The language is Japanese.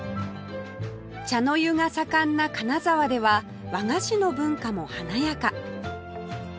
茶の湯が盛んな金沢では和菓子の文化も華やか